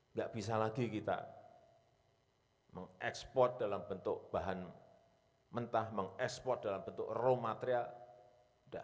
nggak bisa lagi kita mengekspor dalam bentuk bahan mentah mengekspor dalam bentuk raw material tidak